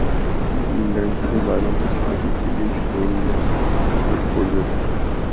لڑکے والوں کا شادی کے لیےشیم لیس پرپوزل